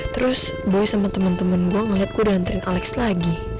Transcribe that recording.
terus boy sama temen temen gue ngeliat gue dan tren alex lagi